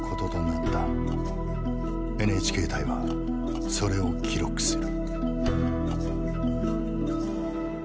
ＮＨＫ隊はそれを記録する。